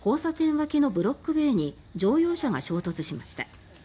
脇のブロック塀に乗用車が衝突しました。